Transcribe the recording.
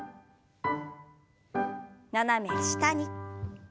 斜め下に。